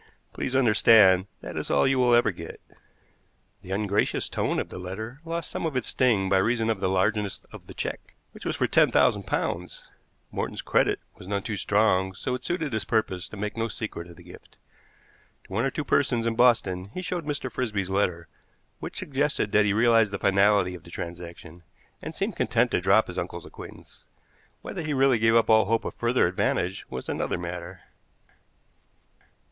Please understand that it is all you will ever get." The ungracious tone of the letter lost some of its sting by reason of the largeness of the check, which was for ten thousand pounds. Morton's credit was none too strong, so it suited his purpose to make no secret of the gift. To one or two persons in Boston he showed Mr. Frisby's letter, which suggested that he realized the finality of the transaction, and seemed content to drop his uncle's acquaintance. Whether he really gave up all hope of further advantage was another matter.